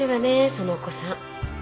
そのお子さん。